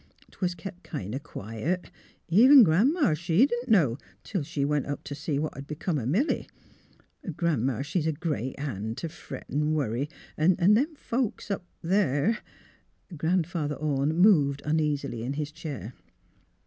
'Twas kep' kin' o' quiet. Even Gran 'ma, she didn't know, till she went up t' see what'd be come o' Milly. Gran 'ma, she's a great han' t' fret an' worry, 'n' them folks up there " Grandfather Orne moved uneasily in his chair.